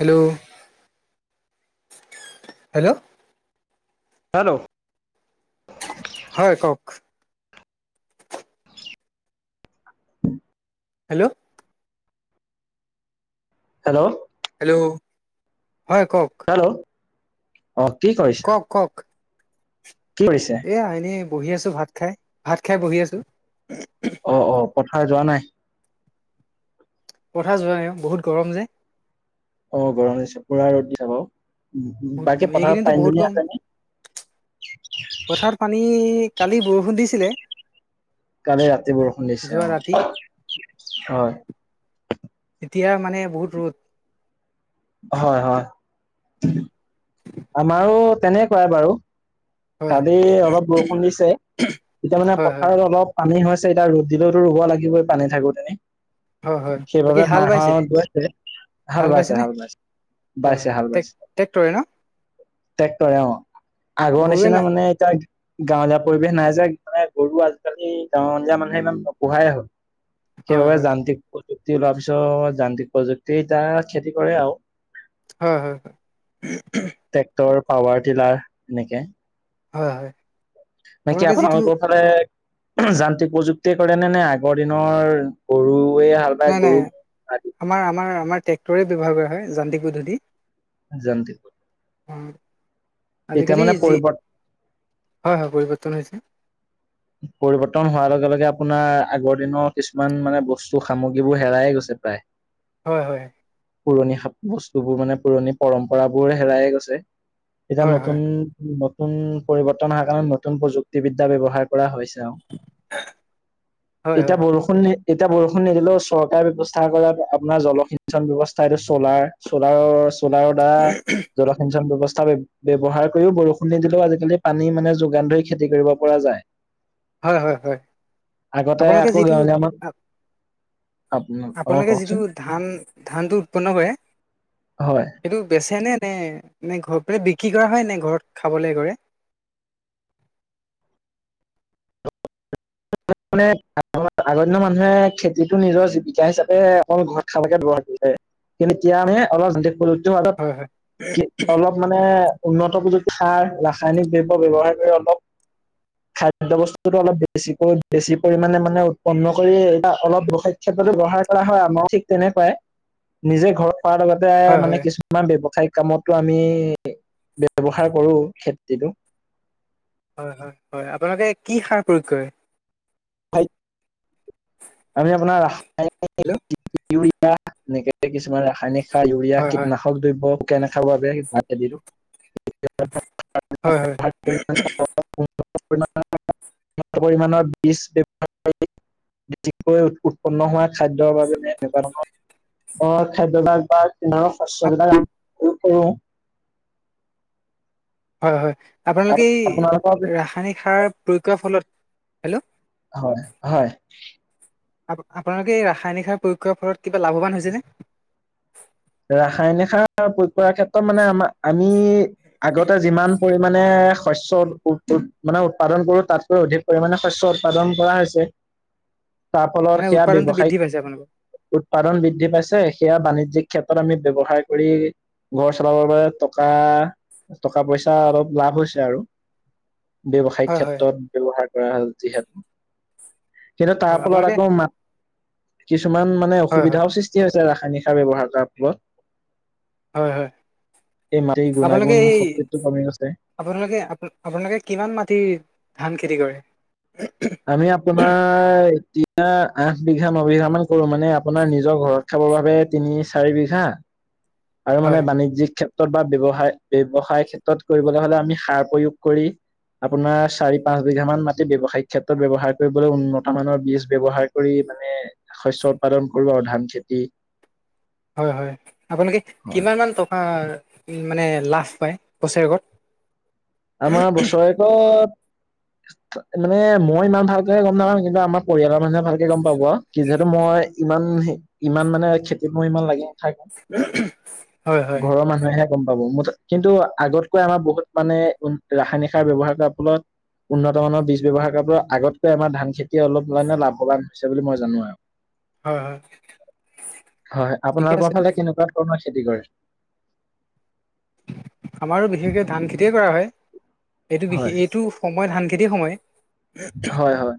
Hello hello. Hello. হয় কওঁক। [unintelligible] Hello. Hello. Hello হয় কওক। হেল্ল' অ', কি কৰিছা? কওক কি কৰিছে। এইয়া এনেই বহি আছোঁ, ভাত খাই ভাত খাই বহি আছোঁ। অ', অ', পথাৰ যোৱা নাই। পথাৰ যোৱা নাই বহুত গৰম যে। অ', গৰম দিছে পুৰা ৰ'দ দিছা বাৰ। বহুত গৰম বাকী পথাৰত এইকেইদিনতো পাইন বহুত দুনীয়া গৰম আছে ন'। পথাৰত পানী, কালি বৰষুণ দিছিলে। কালি ৰাতি বৰষুণ দিছে যোৱা অ' ৰাতি হয়। এতিয়া মানে বহুত ৰ'দ। হয় হয়। [inaudible] আমাৰো তেনেকুৱাই বাৰু। হয় কালি অলপ বৰষুণ দিছে, তেতিয়া মানে হয় হয় পথাৰত অলপ পানী হৈছে, এতিয়া ৰ'দ দিলেওতো ৰুব লাগিবই, পানী থাকোতেই। হয় হয় বাকী সেইবাবে হাল বাইছে মাহঁত গৈছে। হাল বাইছে, হাল বাইছে। হয় বাইছে হয়, হাল বাইছে টেক-টেকটৰে ন'? ট্ৰেক্টৰে অ'। আগৰ গৰুৱে নিচিনা নাই মানে এতিয়া গাঁৱলীয়া পৰিৱেশ নাই যে মানে গৰু আজিকালি গাঁৱলীয়া মানুহে ইমান নুপুহাই হ'ল। হয় সেইবাবে হয় যান্ত্ৰিক প্ৰযুক্তি ওলোৱাৰ পিছত যান্ত্ৰিক প্ৰযুক্তিতিয়া খেতি কৰে আৰু। হয় হয়। ট্ৰেক্টৰ, পাৱাৰটিলাৰ এনেকে। হয় হয়। নে কি আপোনালোকে যিটো আপোনালোকক [unintelligible] যান্ত্ৰিক প্ৰযুক্তিয় কৰেনে নে আগৰ দিনৰ গৰুৱে হাল বাই নাই নাই, গৰু আদি আমাৰ আমাৰ আমাৰ ট্ৰেক্টৰে ব্যৱহাৰ কৰা হয় যান্ত্ৰিক পদ্ধতি। জান্তি আজিকালি মানে যি, পৰিৱৰ্ত হয় হয় পৰিৱৰ্তন হৈছে। পৰিবৰ্তন হোৱাৰ লগে লগে আপোনাৰ আগৰ দিনৰ কিছুমান মানে বস্তু, সামগ্ৰীবোৰ হেৰায়ে গৈছে প্ৰায়। [inaudible] হয় হয়। পুৰণি সা বস্তুবোৰ মানে, পুৰণি পৰম্পৰাবোৰ হেৰায়ে গৈছে। এতিয়া হয় হয় নতুন নতুন পৰিৱৰ্তন অহা কাৰণে নতুন প্ৰযুক্তিবিদ্যা ব্যৱহাৰ কৰা হৈছে আৰু। হয় এতিয়া হয় বৰষুণ নি এতিয়া বৰষুণ নিদিলেও চৰকাৰে ব্যৱস্থা কৰা, আপোনাৰ জলসিঞ্চন ব্যৱস্থা এইটো চ'লাৰ, চলাৰৰ চলাৰত বা জলসিঞ্চন ব্যৱস্থা ব্য-ব্যৱহাৰ কৰিও বৰষুণ নিদিলেও আজিকালি পানী মানে যোগান ধৰি খেতি কৰিব পৰা যায়। হয় হয় হয়। আগতে আপোনালোকে আকৌ যিটো গাঁৱলীয়া আমাক আপোনালোকে যিটো ধান ধানটো উৎপন্ন কৰে হয়। সেইটো বেচেনে নে নে ঘৰত বিক্ৰী কৰা হয় নে ঘৰত খাবলৈ কৰে? মানে আগৰ দিনৰ মানুহে খেতিটো নিজৰ জীৱিকা হিচাপে অকল ঘৰত খালকে ব্যৱহাৰ কৰে। কিন্তু এতিয়া আমি হয় হয় [unintelligible] অলপ মানে উন্নত প্ৰযুক্তি সাৰ, ৰাসায়নিক দ্ৰব্য ব্যৱহাৰ কৰি অলপ খাদ্য বস্তুটো অলপ বেছিকৈ বেছি পৰিমাণে মানে উৎপন্ন কৰি এতিয়া অলপ ব্যবসায়িক ক্ষেত্ৰতো ব্যৱহাৰ কৰা হয়, আমাৰো ঠিক তেনেকুৱাই। নিজে ঘৰত খোৱাৰ লগতে হয় মানে হয় কিছু আমাৰ ব্যৱসায়িক কামতো আমি ব্যৱহাৰ কৰোঁ খেতিটো। হয় হয় হয়। আপোনালোকে কি সাৰ প্ৰয়োগ কৰে? হাই আমি আপোনাৰ [unintelligible] হেল্ল' ইউৰিয়া এনেকে কিছুমান ৰাসায়নিক সাৰ, ইউৰিয়া, হয় হয় কীটনাশ হয় হয় [unintelligible] [unintelligible] [unintelligible] পৰিমানৰ বীজ [unintelligible] উৎপন্ন হোৱা খাদ্যৰ বাবে এনেকুৱা ধৰণৰ অ', খাদ্যভাস বা [unintelligible] শস্যবিলাক আমি প্ৰয়োগ কৰো। হয়, হয়, আপোনালোকে এই আপোনালোকৰ ৰাসায়নিক সাৰ প্ৰয়োগ কৰাৰ ফলত হেল্ল' হয়, হয়। আপোনালোকে এই ৰাসায়নিক সাৰ প্ৰয়োগ কৰাৰ ফলত কিবা লাভৱান হৈছে নে? ৰাসায়নিক সাৰ প্ৰয়োগ কৰাৰ ক্ষেত্ৰত মানে আমা আমি আগতে যিমান পৰিমানে শস্য উৎ মানে উৎপাদন কৰো। তাতকৈ অধিক পৰিমমানে শস্য উৎপাদন কৰা হৈছে। তাৰ ফলত মানে সেয়া উৎপাদনটো ব্য্ৱসায়িক বৃদ্ধি পাইছে আপোনালোকৰ উৎপাদন বৃদ্ধি পাইছে। সেয়া বাণিজ্যিক ক্ষেত্ৰত আমি ব্য্ৱহাৰ কৰি ঘৰ চলাবৰ বাবে টকা টকা-পইচা অলপ লাভ হৈছে আৰু। ব্যৱসায়িক হয় হয় ক্ষেত্ৰত ব্যৱহাৰ কৰা হ যিহেতু। কিন্তু তাৰ হয় ফলত আপোনালোকে আকৌ কিছুমান মানে হয় হয় অসুবিধাও সৃষ্টি হৈছে ৰাসায়নিক সাৰ ব্যৱহাৰ কৰা হয় হয় ফলত। এই মাটিৰ আপোনালোকে গুণাগুণ এই শক্তিটো কমি গৈছে। আপোনালোকে আপ আপোনালোকে কিমান মাটিৰ ধান খেতি কৰে? আমি আপোনাৰ এতিনা আঠ বিঘা, ন' বিঘা মান কৰো মানে আপোনাৰ নিজৰ ঘৰৰ। খাবৰ বাবে তিনি চাৰি বিঘা। আৰু মানে হয় বাণিজ্যিক ক্ষেত্ৰত বা ব্য্য়ৱসায় ব্য্ৱসায় ক্ষেত্ৰত কৰিবলৈ হ'লে আমি সাৰ প্ৰয়োগ কৰি আপোনাৰ চাৰি, পাঁচ বিঘা মান মাটি ব্যৱসায়িক ক্ষেত্ৰত ব্যৱহাৰ কৰিবলৈ উন্নত মানৰ বীজ ব্যৱহাৰ কৰি মানে শস্য উৎপাদন কৰো আৰু ধান খেতি। হয়, হয়, আপোনালোকে হয়। কিমানমান টকা মানে লাভ পায় বছেৰেকত? আমাৰ বছৰেকত মানে মই ইমান ভালকে গ'ম নাপা কিন্তু, আমাৰ পৰিয়ালৰ মানুহে ভালকে গ'ম পাব কি যিহেতু মই ইমান সেই ইমান মানে খেতিত মই ইমান লাগি নাথাকোঁ, হয় হয় ঘৰৰ মানুহেহে গ'ম পাব মুঠ কিন্তু আগতকৈ আমাৰ বহুত মানে উ ৰাসায়নিক সাৰ ব্যয়ৱহাৰ কৰাৰ ফলত উন্নত মানৰ বীজ ব্যৱহাৰ কৰাৰ পৰা আগতকৈ আমাৰ ধান খেতি অলপ মানে লাভৱান হৈছে বুলি মই জানো আৰু। হয় হয় হয়, ঠিকে আছে আপোনালোকৰ ফালে কেনেকুৱা ধৰণৰ খেতি কৰে? আমাৰো বিশেষকৈ ধান খেতিয়ে কৰা হয়। এইটো হয় এইটো সময় ধান খেতি সময়। হয় হয়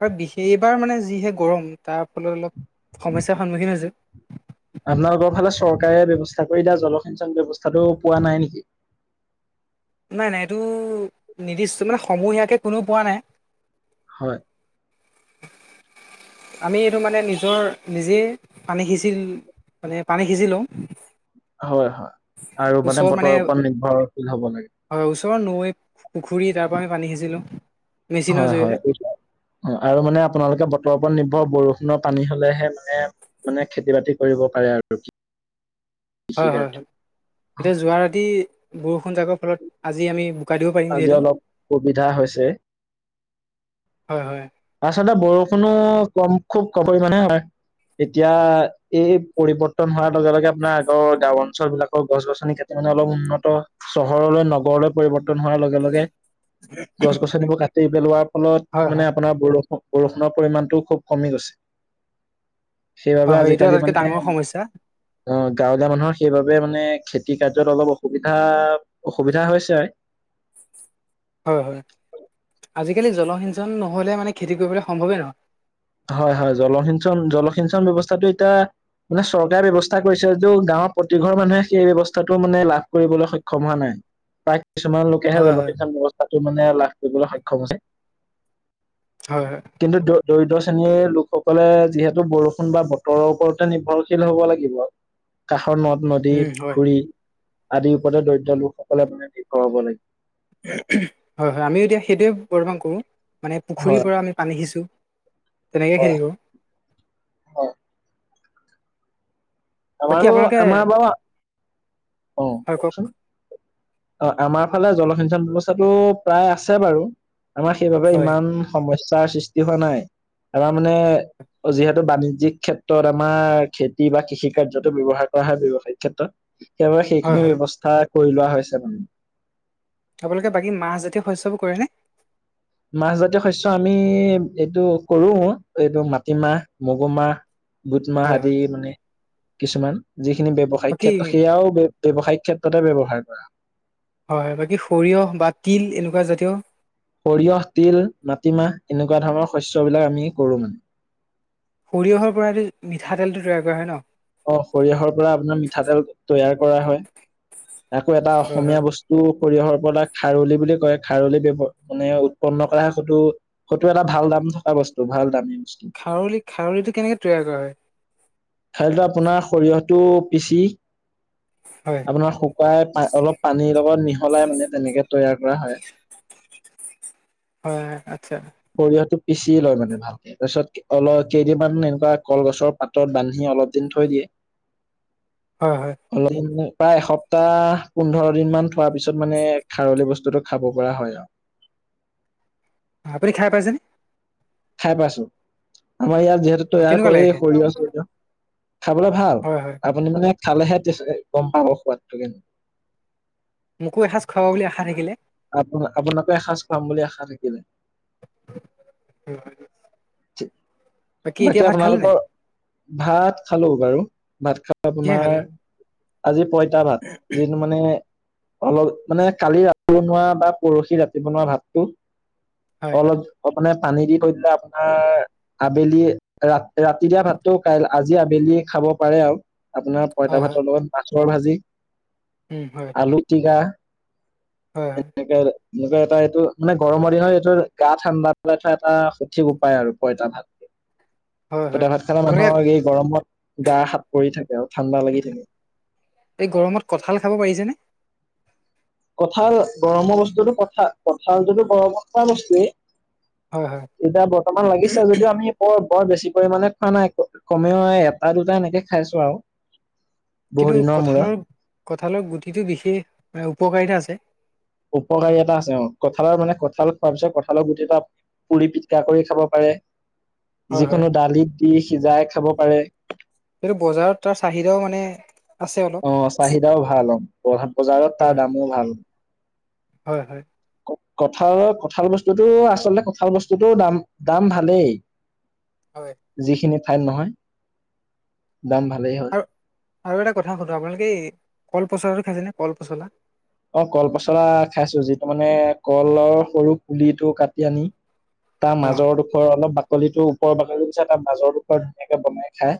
আৰু বিশ এইবাৰ মানে যিহে গৰম তাৰ ফলত অলপ সমস্যাৰ সন্মুখীন হৈছো। আপোনালোকৰ ফালে চৰকাৰে ব্য্ৱস্থা কৰি দিয়া জলসিঞ্চন ব্যৱস্থাটো পোৱা নাই নেকি? নাই নাই এইটো নিৰ্দিষ্ট মানে সমূহীয়াকৈ কোনেও পোৱা নাই। হয়। আমি এইটো মানে নিজৰ নিজে পানী সিঁচি মানে পানী সিচি লওঁ। হয়, হয়, আৰু মানে বতৰৰ ওপৰত নিৰ্ভৰশীল হ'ব লাগিব? হয়, ওচৰৰ নৈ পুখুৰী তাৰ পৰা আমি পানী সিচিলোঁ। হয়, হয় [unintelligible] অ', আৰু মানে আপোনালোকে বতৰৰ ওপৰত নিৰ্ভৰ বৰষুণৰ পানী হলেহে মানে মানে খেতি বাতি কৰিব পাৰে আৰু কি? হয়, হয়, হয়, এতিয়া যোৱা ৰাতি বৰষুণ জাকৰ ফলত আজি আমি বোকা দিব পাৰিম আজি যিহেতু অলপ সুবিধা হৈছে হয়, হয়। আচলতে বৰষুণো কম খুব কম পৰিমাণে হয়। এতিয়া এই পৰিৱৰ্তন হোৱাৰ লগে লগে আপোনাৰ আগৰ গাঁও অঞ্চলবিলাকৰ গছ-গছনি কাটি তাৰমানে অলপ উন্নত, চহৰলৈ নগৰলৈ পৰিৱৰ্তন হোৱাৰ লগে লগে গছ-গছনিবোৰ কাটি পেলোৱাৰ হয় ফলত হয় মানে অপোনাৰ বৰষু বৰষুণৰ পৰিমাণটোও খুব কমি গৈছে। সেইবাবে হয় হয় এইটো আজিকালি আটাইতকৈ মানে ডাঙৰ সমস্যা অ গাঁৱলীয়া মানুহৰ সেইবাবে মানে খেতি কাৰ্যত অলপ অসুবিধা অসুবিধা হৈছে। হয় হয় আজিকালি জলসিঞ্চন নহ'লে মানে খেতি কৰিবলৈ সম্ভৱেই নহয়। হয় হয় জলসিঞ্চন জলসিঞ্চন ব্যৱস্থাটো এতিয়া মানে চৰকাৰে ব্যৱস্থা কৰিছে যদিও গাঁৱৰ প্ৰতি ঘৰ মানুহে সেই ব্যৱস্থাটো মানে লাভ কৰিবলৈ সক্ষম হোৱা নাই। প্ৰায় কিছুমান লোকেহে হয় হয় জনসিঞ্চন ব্যৱস্থাটো মানে লাভ কৰিবলৈ সক্ষম হৈছে। হয় হয়। কিন্তু দ-দৰিদ্ৰ শ্ৰেণীৰ লোকসকলে যিহেতু বৰষুণ বা বতৰৰ ওপৰতে নিৰ্ভৰশীল হব লাগিব কাষৰ নদ-নদী, উম হয় পুখুৰী আদিৰ ওপৰত দৰিদ্ৰ লোকসকলে মানে নিৰ্ভৰ হ'ব লাগিব। হয় হয় আমিও এতিয়া সেইটোৱে বৰ্তমান কৰোঁ মানে হয় পুখুৰীৰ পৰা আমি পানী সিচোঁ। তেনেকে হয় খিতি কৰো। হয়। বাকী আমাৰো আপোনালোকে আমাৰ বাৰু, অ হয় কওক কওকচোন। অ আমাৰ ফালে জলসিঞ্চন ব্যৱস্থাটো প্ৰায় আছে বাৰু। আমাৰ সেইবাবে হয় ইমান সমস্যাৰ সৃষ্টি হোৱা নাই। আমাৰ মানে যিহেতু বাণিজ্যিক ক্ষেত্ৰত আমাৰ খেতি বা কৃষি কাৰ্যতো ব্যৱহাৰ কৰা হয় ব্যৱসায়িক ক্ষেত্ৰত। সেইবাবে হয় সেইখিনি হয় ব্যৱস্থা কৰি লোৱা হৈছে মানে। আপোনালোকে বাকী মাহজাতীয় শস্যবোৰ কৰেনে? মাহজাতীয় শস্য আমি এইটো কৰো এইটো মাটিমাহ, মগুমাহ, বুটমাহ হয় আদি হয় মানে কিছুমান, যিখিনি ব্যৱসায়িক বাকী ক্ষেত্ৰত সেয়াও ব্যৱসায়িক ক্ষেত্ৰতে ব্যৱহাৰ কৰা। হয় বাকী সৰিয়হ বা তিল এনেকুৱা জাতীয় সৰিয়হ, তিল, মাটিমাহ এনেকুৱা ধৰণৰ শস্যবিলাক আমি কৰোঁ মানে। সৰিয়হৰ পৰাটো মিঠাতেলটো তৈয়াৰ কৰা হয় ন? অ সৰিয়হৰ পৰা আপোনাৰ মিঠাতেল তৈয়াৰ কৰা হয়, আকৌ এটা হয় অসমীয়া হয়। বস্তু টো সৰিয়হৰ পৰা খাৰলি বুলি কয় খাৰলি ব্যৱহ মানে উৎপন্ন কৰা সেইটো সেইটো এটা ভাল দাম থকা বস্তু, ভাল দামী বস্তু। খাৰলি খাৰলিটো কেনেকে তৈয়াৰ কৰা হয়? খাৰলিটো আপোনাৰ সৰিয়হটো পিচি হয়। আপোনাৰ শুকাই অলপ পানীৰ লগত মিহলাই মানে তেনেকে তৈয়াৰ কৰা হয়। হয় হয় আচ্ছা। সৰিয়হটো পিচি লয় মানে তাৰপিছত অল কেইদিনমান এনেকুৱা কলগছৰ পাতত বান্ধি অলপ দিন থৈ দিয়ে। [inaudible] হয় হয়। অলপ প্ৰায় এসপ্তাহ পোন্ধৰ দিন মান থোৱাৰ পিছত মানে খাৰলি বস্তুটো খাব পৰা হয় আৰু। আপুনি খাই পাইছেনে? খাই পাইছো। আমাৰ ইয়াত যিহেতু অ', তৈয়াৰ কেনেকুৱা কৰে লাগে খাই? সৰিয়হ-চৰিয়হ খাবলৈ ভাল হয় হয়। আপুনি মানে খালেহে গম পাব সোৱাদটো কে মোকো এসাঁজ খুৱাব বুলি আশা থাকিলে। আপ, আপোনাকে এসাঁজ খুৱাম বুলি আশা থাকিলে। হয়। বাকি আপোনাৰ [unintelligible] ভাত খালোঁ বাৰু ভাত খাই কিহে তোমাৰ খালে? আজি পঁইতা ভাত যিটো মানে অলপ মানে কালি ৰাতি বনোৱা বা পৰহি ৰাতি বনোৱা ভাতটো হয় অলপ মানে পানী দি কৰি দিলে আবেলি ৰা ৰাতি দিয়া ভাতটো খাই আজি আবেলি খাব পাৰে আৰু আপোনাৰ হয় পঁইতা হয় ভাতৰ লগত মাছৰ ভাজি উম হয়। আলু - পিটিকা। হয়। একে, এনেকে এটা এইটো মানে গৰমৰ দিনত এইটোৰ গা ঠাণ্ডা পেলাই থোৱা এটা সঠিক উপায় আৰু পইতা ভাত। হয় হয় পইতা হয়। ভাত খালে আপোনালোকে মানুহৰ এই গৰমত গা সাত পৰি থাকে আৰু ঠাণ্ডা লাগি থাকে। এই গৰমত কঁঠাল খাব পাৰিছেনে? কঁঠাল গৰমৰ বস্তুটো কঁঠাল কঁঠালটোতো গৰমত খোৱা বস্তুৱেই। হয় হয়। এতিয়া বৰ্তমান লাগিছে যদিও আমি বৰ বেছি পৰিমণে খোৱা নাই কমেও এটা দুটা এনেকে খাইছো আৰু বহু কিন্তু দিনৰ মূৰত। কঁঠালৰ কঁঠালৰ গুটিটো বিশেষ মানে উপকাৰিতা আছে। উপকাৰী এটা আছে অ' কঁঠালৰ মানে কঁঠাল খোৱাৰ পিছত কঁঠালৰ গুটি এটা পুৰি, পিটিকা কৰি খাব পাৰে। হয় হয়। যিকোনো ডালিত দি সিজাই খাব পাৰে। কিন্তু বজাৰত তাৰ চাহিদাও মানে আছে অলপ অ' চাহিদাও ভাল বজাৰত হয় তাৰ, দামো ভাল। হয়, হয়। কঁঠালৰ কঁঠাল বস্তুটো আচলতে কঁঠাল বস্তুটো দাম দাম ভালেই। [inaudible] হয়। যিখিনি ঠাইত নহয়, দাম ভালেই হয়। আৰু আৰু এটা কথা সোধো আপোনালোকে এই কল পচলাটো খাইছে নে কল পচলা? অ', কল পচলা খাইছো যিটো মানে কলৰ সৰু পুলিটো কাটি আনি তাৰ অ মাজৰ ডোখৰ অলপ বাকলিটো ওপৰ বাকলিৰ [unintelligible] তাৰ মাজৰ ডোখৰ ধুনীয়াকে বনাই খায়।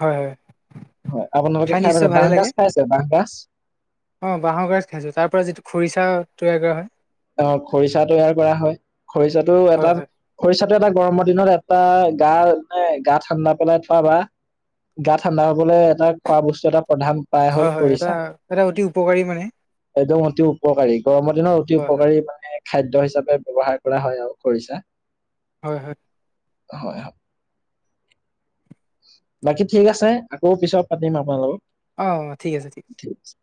হয় হয় হয় আপোনালোকে খাই নিশ্চয় পাইছে? ভালে বাঁহ লাগে গাজ খাইছে বাঁহ গাজ? অ' বাঁহৰ গাজ খাইছোঁ তাৰ পৰা যিটো খৰিচা তৈয়াৰ কৰা হয়। অ' খৰিচা তৈয়াৰ কৰা হয় খৰিচাটো হয় এটা। হয় খৰিচাটো এটা গৰমৰ দিনত এটা গা নে গা ঠাণ্ডা পেলাই থোৱা বা গা ঠাণ্ডা হ'বলৈ এটা খোৱা বস্তু এটা প্ৰধান উপায় হ'ল হয়, হয় এটা খৰিচা। এটা অতি উপকাৰী মানে। একদম অতি উপকাৰী গৰমৰ দিনৰ অতি হয় হয় উপকাৰী মানে খাদ্য হিচাপে ব্যৱহাৰ কৰা হয় আৰু খৰিচা। হয়, হয়। হয়, হয়। বাকী ঠিক আছে আকৌ পিছত পাতিম আপোনাৰ লগত। অ', ঠিক আছে! [unintelligible]